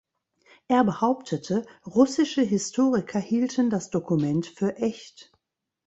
Er behauptete, russische Historiker hielten das Dokument für echt.